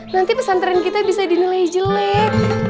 nanti pesantren kita bisa dinilai jelek